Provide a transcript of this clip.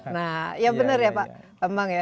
nah ya benar ya pak bambang ya